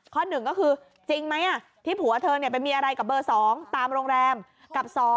๑ก็คือจริงไหมที่ผัวเธอไปมีอะไรกับเบอร์๒ตามโรงแรมกับ๒